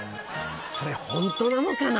それホントなのかな？